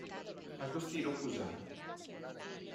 Agostino Cusani